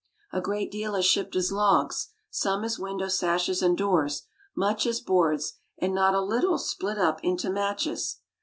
A great deal is shipped as logs, some as window sashes and doors, much as boards, and not a little split up into matches.